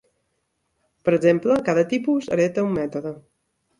Per exemple, cada tipus hereta un mètode.